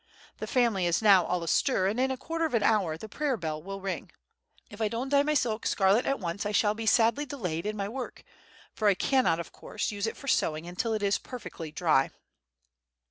The family is now all astir, and in a quarter of an hour the prayer bell will ring. If I don't dye my silk scarlet at once I shall be sadly delayed in my work, for I cannot, of course, use it for sewing until it is perfectly dry."